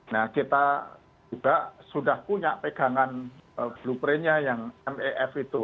nah kita juga sudah punya pegangan blueprintnya yang mef itu